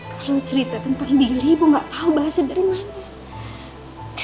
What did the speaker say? kalau cerita tentang diri ibu nggak tahu bahasa dari mana